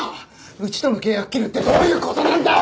うちとの契約切るってどういうことなんだよ！